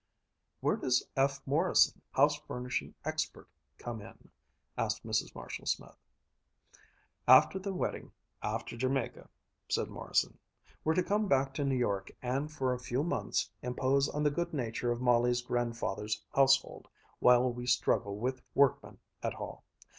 "Where does F. Morrison, house furnishing expert, come in?" asked Mrs. Marshall Smith. "After the wedding, after Jamaica," said Morrison. "We're to come back to New York and for a few months impose on the good nature of Molly's grandfather's household, while we struggle with workmen et al.